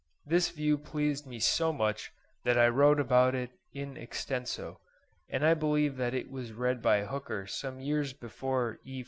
This view pleased me so much that I wrote it out in extenso, and I believe that it was read by Hooker some years before E.